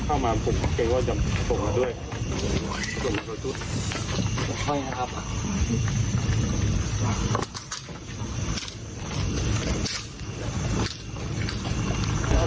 อย่าค่อยนะครับ